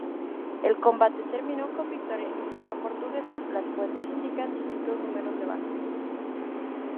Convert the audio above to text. El combate terminó con victoria hispano-portuguesa; las fuentes indican distintos números de bajas.